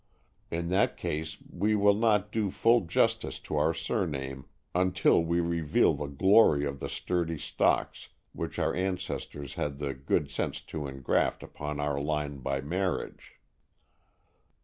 In that case we will not do full justice to our surname until we reveal the glory of the sturdy stocks which our ancestors had the good sense to engraft upon our line by marriage.